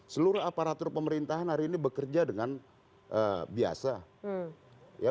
seluruh aparatur pemerintahan hari ini bekerja dengan biasa